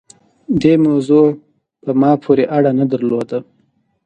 دې موضوع په ما پورې اړه نه درلوده.